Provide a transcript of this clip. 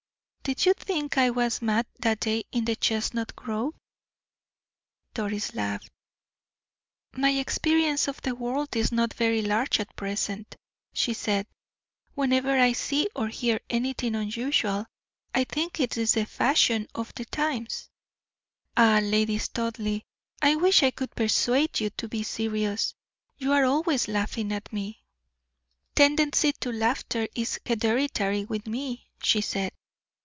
"Did you think I was mad that day in the chestnut grove?" Lady Doris laughed. "My experience of the world is not very large at present," she said. "Whenever I see or hear anything unusual, I think it is the fashion of the times." "Ah, Lady Studleigh, I wish I could persuade you to be serious you are always laughing at me." "Tendency to laughter is hereditary with me," she said.